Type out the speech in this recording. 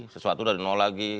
sesuatu udah ada nol lagi